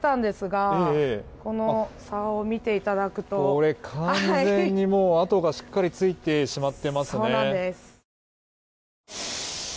これ、完全に跡がしっかりついてしまっていますね。